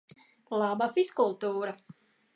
Laba fizkultūra!